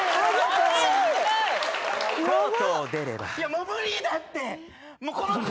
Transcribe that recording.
もう無理だって！